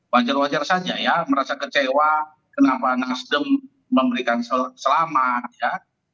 wajar wajar saja ya merasa kecewa kenapa nasdem memberikan selamat ya